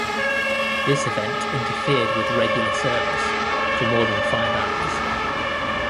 This event interfered with regular service for more than five hours.